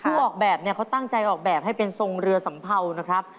ออกแบบเนี่ยเขาตั้งใจออกแบบให้เป็นทรงเรือสัมเภานะครับ